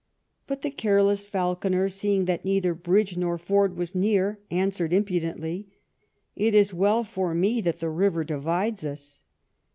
But the careless falconer, seeing that neither bridge nor ford was near, answered impudently, "It is well for me that the river divides us."